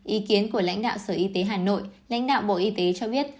ý kiến của lãnh đạo sở y tế hà nội lãnh đạo bộ y tế cho biết